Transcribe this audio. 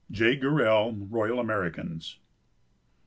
J. GORELL, Royal Americans."